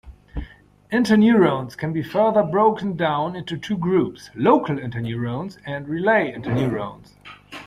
Interneurons can be further broken down into two groups: local interneurons, and relay interneurons.